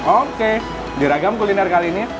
oke di ragam kuliner kali ini